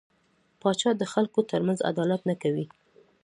پاچا د خلکو ترمنځ عدالت نه کوي .